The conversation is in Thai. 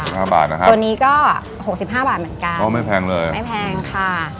ห้าบาทนะฮะตัวนี้ก็หกสิบห้าบาทเหมือนกันก็ไม่แพงเลยไม่แพงค่ะ